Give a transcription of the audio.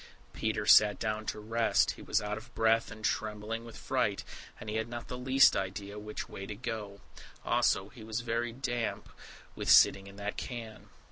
Peter sat down to rest; he was out of breath and trembling with fright, and he had not the least idea which way to go. Also he was very damp with sitting in that can.